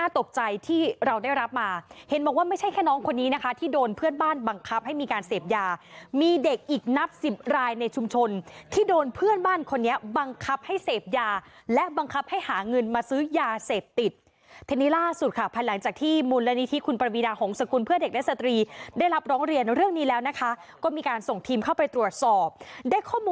ตกใจที่เราได้รับมาเห็นบอกว่าไม่ใช่แค่น้องคนนี้นะคะที่โดนเพื่อนบ้านบังคับให้มีการเสพยามีเด็กอีกนับสิบรายในชุมชนที่โดนเพื่อนบ้านคนนี้บังคับให้เสพยาและบังคับให้หาเงินมาซื้อยาเสพติดทีนี้ล่าสุดค่ะภายหลังจากที่มูลนิธิคุณประวีดาหงษกุลเพื่อเด็กและสตรีได้รับร้องเรียนเรื่องนี้แล้วนะคะก็มีการส่งทีมเข้าไปตรวจสอบได้ข้อมูล